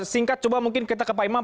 singkat coba mungkin kita ke pak imam